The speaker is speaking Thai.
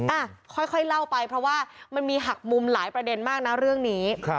อ่ะค่อยเล่าไปเพราะว่ามันมีหักมุมหลายประเด็นมากนะเรื่องนี้